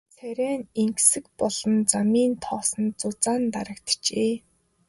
Царай нь энгэсэг болон замын тоосонд зузаан дарагджээ.